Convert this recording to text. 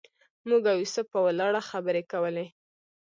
موږ او یوسف په ولاړه خبرې کولې.